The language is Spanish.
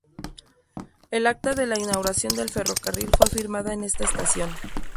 El acta de la inauguración del ferrocarril fue firmada en esta estación.